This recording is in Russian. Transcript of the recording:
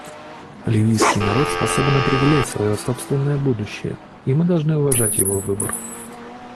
Ливийский народ способен определять свое собственное будущее, и мы должны уважать его выбор.